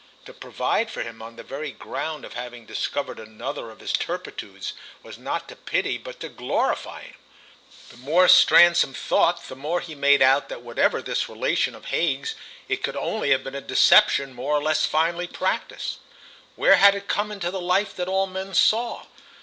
To provide for him on the very ground of having discovered another of his turpitudes was not to pity but to glorify him. The more Stransom thought the more he made out that whatever this relation of Hague's it could only have been a deception more or less finely practised. Where had it come into the life that all men saw?